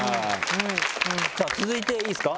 さぁ続いていいですか？